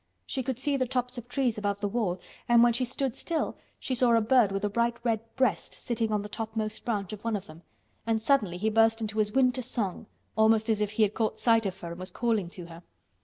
She could see the tops of trees above the wall, and when she stood still she saw a bird with a bright red breast sitting on the topmost branch of one of them, and suddenly he burst into his winter song—almost as if he had caught sight of her and was calling to her.